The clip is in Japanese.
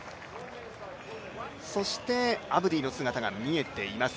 そしてアブディの姿が見えています。